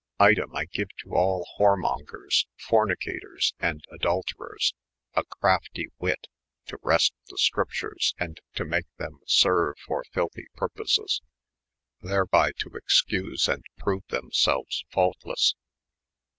Item, I geue to all Whoremongers, Fornicators, and Aduouterere, a craftye wytte, to wrest the scriptures, A to make them seme for filthy purposes, therby to excuse & proue themselues fautlesse.